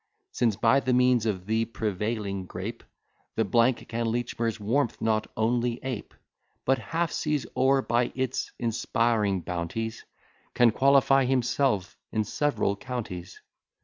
Since, by the means of the prevailing grape, Thn can Lechmere's warmth not only ape, But, half seas o'er, by its inspiring bounties, Can qualify himself in several counties.